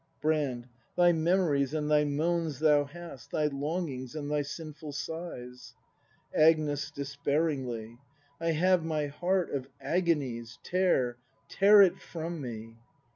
Brand. Thy memories and thy moans thou hast. Thy longings and thy sinful sighs Agnes. [Despairingly.'] I have my heart of agonies! Tear, tear it from me!